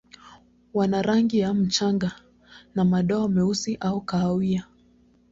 Wana rangi ya mchanga na madoa meusi au kahawia.